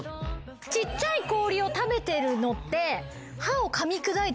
ちっちゃい氷を食べてるのって。